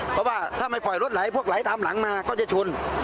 เพราะว่าถ้าไม่ปล่อยรถไหลพวกไหลตามหลังมาก็จะชน